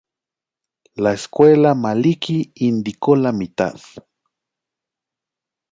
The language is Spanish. La escuela Maliki indicó la mitad.